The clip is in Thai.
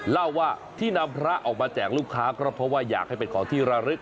เล่าว่าที่นำพระออกมาแจกลูกค้าก็เพราะว่าอยากให้เป็นของที่ระลึก